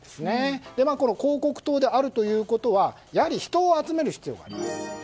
この広告塔であるということはやはり人を集める必要があります。